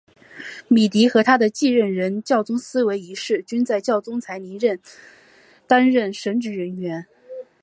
米迪和他的继任人教宗思维一世均在教宗才林任内担任神职人员。